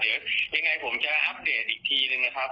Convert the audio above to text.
เดี๋ยวอย่างไรผมจะอัพเดทอีกทีหนึ่งนะครับ